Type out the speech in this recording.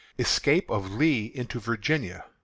Escape of Lee into Virginia.